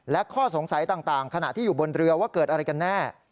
และข้อสงสัยต่างขณะที่อยู่บนเรือว่าเกิดอะไรกันแน่